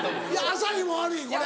朝日も悪いこれ。